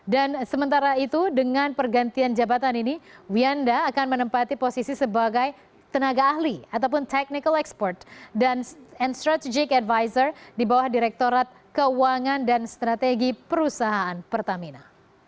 dan sementara itu dengan pergantian jabatan ini wienda akan menempati posisi sebagai tenaga ahli ataupun technical expert dan strategic advisor di bawah direktorat keuangan dan strategi perusahaan pertamina